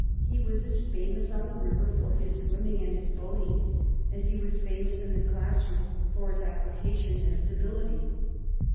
He was as famous on the river for his swimming and his boating as he was famous in the classroom for his application and his ability.